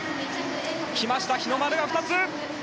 来ました、日の丸が２つ！